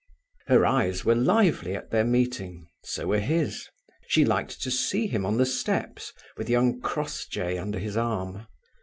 Her eyes were lively at their meeting so were his. She liked to see him on the steps, with young Crossjay under his arm.